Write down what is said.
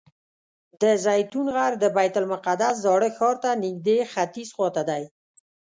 د زیتون غر د بیت المقدس زاړه ښار ته نږدې ختیځ خوا ته دی.